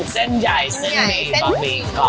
เซ็นใหญ่เซ็นมี